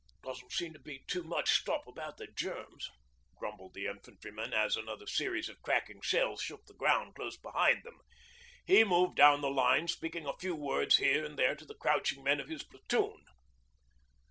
'Doesn't seem to be too much stop about the Germs,' grumbled the infantryman, as another series of crackling shells shook the ground close behind them. He moved down the line speaking a few words here and there to the crouching men of his platoon.